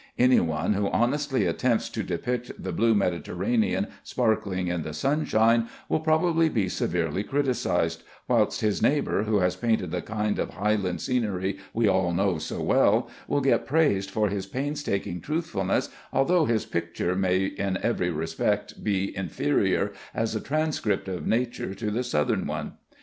Any one who honestly attempts to depict the blue Mediterranean sparkling in the sunshine will probably be severely criticised, whilst his neighbor who has painted the kind of Highland scenery we all know so well, will get praised for his painstaking truthfulness, although his picture may be in every respect inferior as a transcript of nature to the Southern one.